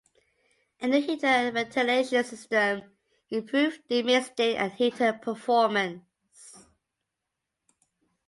A new heater and ventilation system improved de-misting and heater performance.